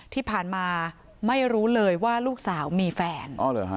ที่ผ่านมาไม่รู้เลยว่าลูกสาวมีแฟน